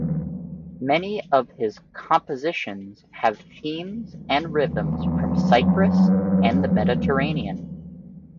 Many of his compositions have themes and rhythms from Cyprus and the Mediterranean.